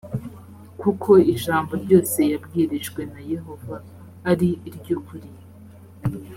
kuko ijambo ryose yabwirijwe na yehova ari iryukuri